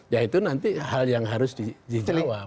ya itu nanti hal yang harus dijawab